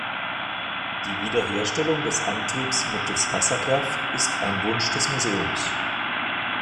Die Wiederherstellung des Antriebs mittels Wasserkraft ist ein Wunsch des Museums.